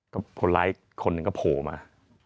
ก็คนร้ายคนหนึ่งก็โผล่มา